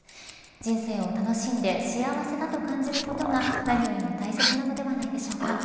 人生を楽しんで幸せだと感じることが何よりも大切なのではないでしょうか。